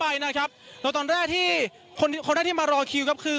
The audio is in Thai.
ประมาณสองร้อยใบนะครับแล้วตอนแรกที่คนที่คนที่มารอคิวครับคือ